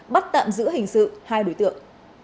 bắt tạm giữ hình sự hai đối tượng